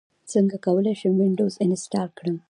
څنګه کولی شم وینډوز انسټال کړم